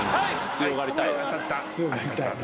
強がりたい？